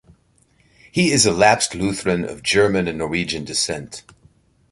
He is a lapsed Lutheran, of German and Norwegian descent.